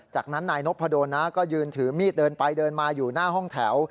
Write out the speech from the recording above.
จากนั้นนายนพดลนะก็ยืนถือมีดเดินไปเดินมาอยู่หน้าห้องแถว